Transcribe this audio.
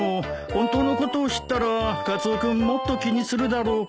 本当のことを知ったらカツオ君もっと気にするだろうから。